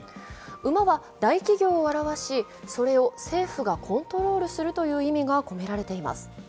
馬は大企業を現し、それを政府がコントロールするという意味が込められています。